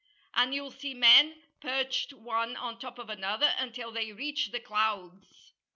And you'll see men perched one on top of another until they reach the clouds.